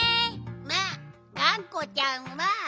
まっがんこちゃんは。